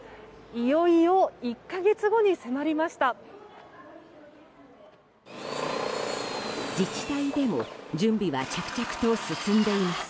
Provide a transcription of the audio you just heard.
いよいよ１か月後に迫りました。